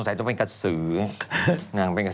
สงสัยก็เป็นกระสืร